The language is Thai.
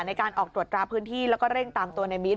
ในการออกตรวจตราพื้นที่แล้วก็เร่งตามตัวในมิด